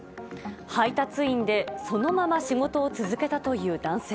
配達員で、そのまま仕事を続けたという男性。